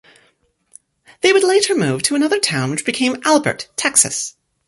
They would later move to another town which became Albert, Texas.